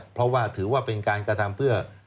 เพราะว่าถือว่าเป็นการกระทำเพื่อ